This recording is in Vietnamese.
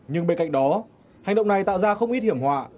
nhưng bên cạnh đó hành động này tạo ra không ít hiểm họa